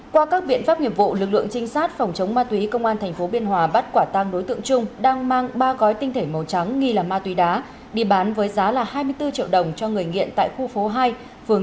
qua các biện pháp nghiệp vụ lực lượng trinh sát phòng chống ma túy công an tp biên hòa bắt quả tang đối tượng trung đang mang ba gói tinh thể màu trắng nghi là ma túy đá đi bán với giá là hai mươi bốn triệu đồng cho người nghiện tại khu phố hai phường